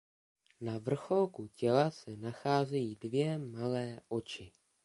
Na vrcholku těla se nacházejí dvě malé oči.